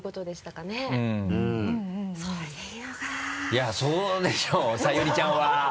いやそうでしょ紗由利ちゃんは。